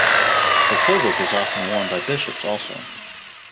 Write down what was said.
The klobuk is often worn by bishops also.